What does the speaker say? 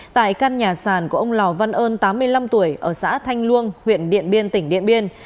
tại căn nhà sàn của ông lò văn ơn tám mươi năm tuổi ở xã thanh luông huyện điện biên tỉnh điện biên